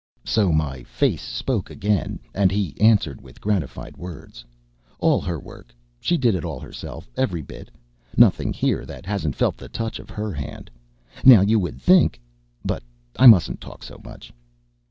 So my face spoke again, and he answered with gratified words: "All her work; she did it all herself every bit. Nothing here that hasn't felt the touch of her hand. Now you would think But I mustn't talk so much."